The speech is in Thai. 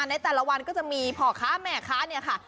ในแต่ละวันก็จะมีพ่อค้าแม่ค้าเนี่ยค่ะ